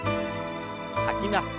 吐きます。